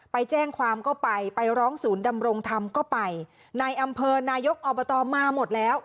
ไปแจ้งความก็ไปไปร้องศูนย์ดำรงธรรมก็ไปในอำเภอนายกอบตมาหมดแล้ว